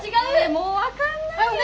・もう分かんないよ！